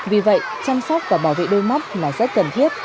vì vậy chăm sóc và bảo vệ đôi mắt là rất cần thiết